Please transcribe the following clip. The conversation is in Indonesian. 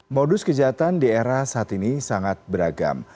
modus kejahatan di era saat ini sangat beragam